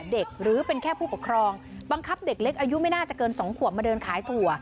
หรือเป็นแค่ผู้ปกครองบังคับเด็กเล็กอายุไม่น่าจะเกิน๒ขวบมาเดินขายถั่ว